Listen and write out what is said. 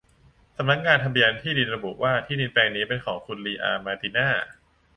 สำนักงานทะเบียนที่ดินระบุว่าที่ดินแปลงนี้เป็นของคุณลีอาห์ มาร์ติน่า